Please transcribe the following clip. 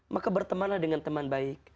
maka bertemanlah dengan teman baik